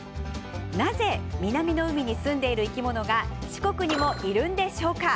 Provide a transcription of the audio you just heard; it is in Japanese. なぜ南の海に住んでいる生き物が四国にもいるんでしょうか？